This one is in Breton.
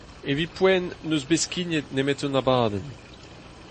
Evit poent n'eus bet skignet nemet un abadenn.